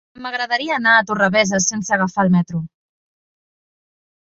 M'agradaria anar a Torrebesses sense agafar el metro.